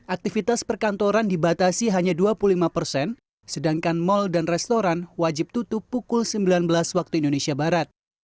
aktivitas perkantoran dibatasi hanya dua puluh lima persen sedangkan mal dan restoran wajib tutup pukul sembilan belas waktu indonesia barat